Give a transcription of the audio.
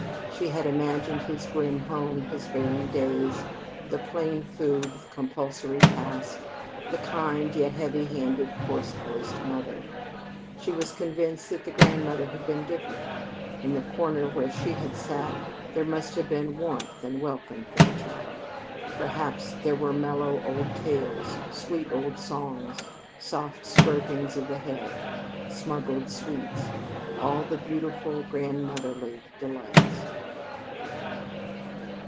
She had imagined his grim home, his barren days; the plain food; the compulsory task; the kind, yet heavy handed, coarse voiced mother. She was convinced that the grandmother had been different. In the corner where she had sat, there must have been warmth and welcome for the child. Perhaps there were mellow old tales, sweet old songs, soft strokings of the head, smuggled sweets all the beautiful grandmotherly delights.